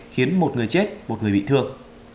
khiến một người chết một người bị thương